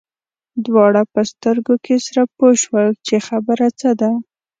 دواړه په سترګو کې سره پوه شول چې خبره څه ده.